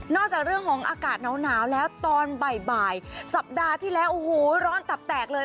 จากเรื่องของอากาศหนาวแล้วตอนบ่ายสัปดาห์ที่แล้วโอ้โหร้อนตับแตกเลย